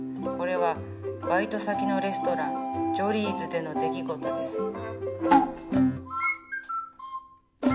これはバイト先のレストランジョリーズでの出来事です。